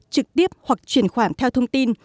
trực tiếp hoặc chuyển khoản theo thông tin